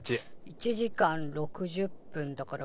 １時間６０分だから。